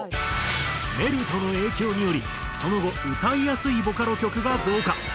『メルト』の影響によりその後歌いやすいボカロ曲が増加。